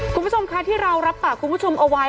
คุณผู้ชมคะที่เรารับปากคุณผู้ชมเอาไว้